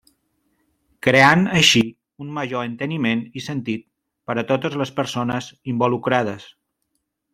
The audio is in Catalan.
Creant així un major enteniment i sentit per a totes les persones involucrades.